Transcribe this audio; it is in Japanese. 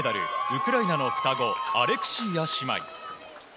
ウクライナの双子アレクシーワ姉妹。